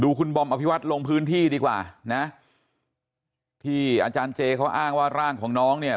คุณบอมอภิวัตรลงพื้นที่ดีกว่านะที่อาจารย์เจเขาอ้างว่าร่างของน้องเนี่ย